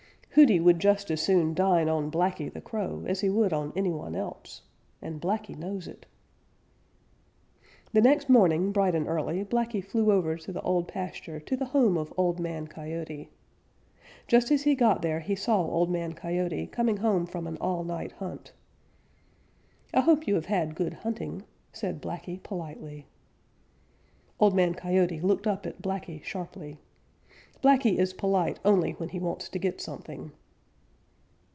Hooty would just as soon dine on Blacky the Crow as he would on any one else, and Blacky knows it. The next morning, bright and early, Blacky flew over to the Old Pasture to the home of Old Man Coyote. Just as he got there he saw Old Man Coyote coming home from an all night hunt. "I hope you have had good hunting," said Blacky politely. Old Man Coyote looked up at Blacky sharply. Blacky is polite only when he wants to get something.